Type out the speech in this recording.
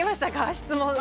質問は。